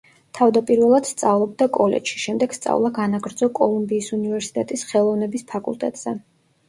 თავდაპირველად სწავლობდა კოლეჯში, შემდეგ სწავლა განაგრძო კოლუმბიის უნივერსიტეტის ხელოვნების ფაკულტეტზე.